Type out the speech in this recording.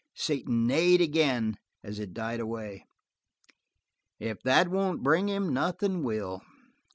Satan neighed again as it died away. "If that won't bring him, nothin' will.